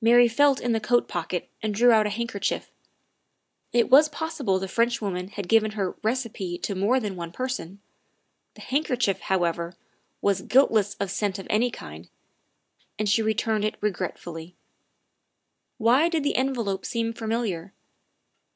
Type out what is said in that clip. Mary felt in the coat pocket and drew out a handker chief. It w r as possible the Frenchwoman had given her receipt to more than one person. The handkerchief, however, was guiltless of scent of any kind, and she returned it regretfully. Why did the envelope seem familiar?